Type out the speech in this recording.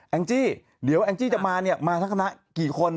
งจี้เดี๋ยวแองจี้จะมาเนี่ยมาทั้งคณะกี่คน